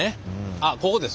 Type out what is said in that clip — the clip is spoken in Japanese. あっここです